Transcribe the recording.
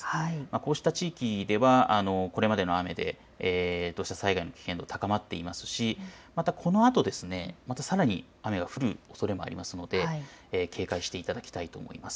こうした地域ではこれまでの雨で土砂災害の危険度高まっていますしまたこのあと、またさらに雨が降るおそれもありますので警戒していただきたいと思います。